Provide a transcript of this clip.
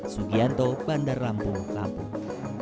sugianto bandar rampung lampung